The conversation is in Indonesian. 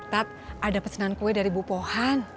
tat ada pesanan kue dari bu pohan